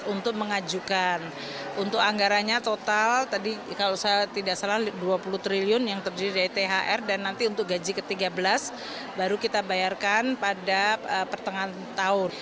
untuk mengajukan untuk anggaranya total tadi kalau saya tidak salah dua puluh triliun yang terdiri dari thr dan nanti untuk gaji ke tiga belas baru kita bayarkan pada pertengahan tahun